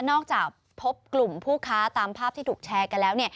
จากพบกลุ่มผู้ค้าตามภาพที่ถูกแชร์กันแล้ว